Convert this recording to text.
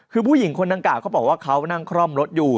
คือผู้หญิงคนดังกล่าวเขาบอกว่าเขานั่งคล่อมรถอยู่